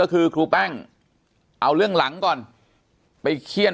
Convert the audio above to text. แต่คุณยายจะขอย้ายโรงเรียน